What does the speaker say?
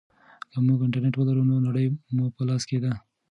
که موږ انټرنیټ ولرو نو نړۍ مو په لاس کې ده.